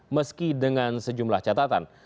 meski dengan sejumlah catatan